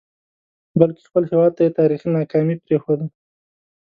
بلکې خپل هیواد ته یې تاریخي ناکامي پرېښوده.